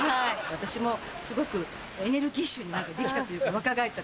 私もすごくエネルギッシュにできたというか若返ったというか。